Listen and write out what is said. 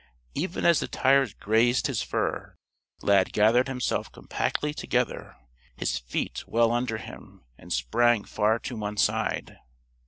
Even as the tires grazed his fur, Lad gathered himself compactly together, his feet well under him, and sprang far to one side.